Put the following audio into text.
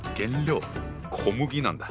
小麦なんだ。